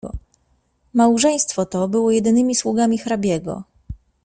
"Małżeństwo to było jedynymi sługami hrabiego."